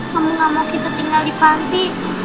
kamu gak mau kita tinggal di panti